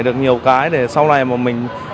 được nhiều cái để sau này mà mình